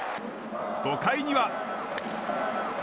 ５回には。